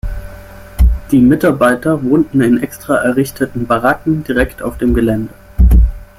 Die Mitarbeiter wohnten in extra errichteten Baracken direkt auf dem Gelände.